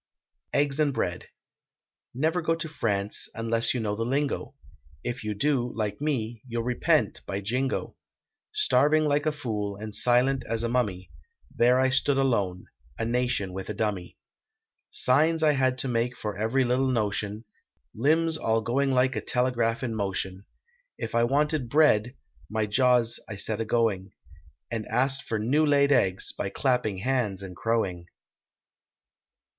EGGS AND BREAD. Never go to France, Unless you know the lingo; If you do, like me, You'll repent, by jingo. Starving like a fool, And silent as a mummy, There I stood alone, A nation with a dummy. Signs I had to make For every little notion; Limbs all going like A telegraph in motion; If I wanted bread, My jaws I set a going, And asked for new laid eggs By clapping hands and crowing.